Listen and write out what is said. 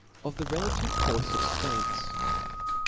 Of the relative Force of States.